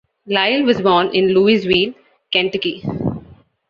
Lyle was born in Louisville, Kentucky.